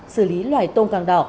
xử lý loài tôm càng đỏ